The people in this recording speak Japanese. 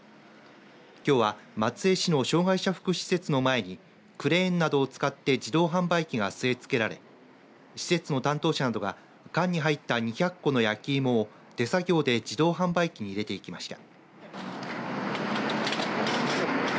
きょうは松江市の障害者福祉施設の前にクレーンなどを使って自動販売機が据え付けられ施設の担当者などが缶に入った２００個の焼き芋を手作業で自動販売機に入れていきました。